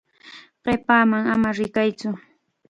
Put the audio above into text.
Qipaman ama rikaytsu.